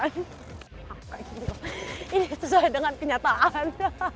ini sesuai dengan kenyataan